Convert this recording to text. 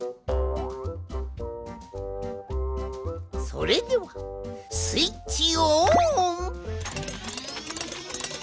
それではスイッチオン！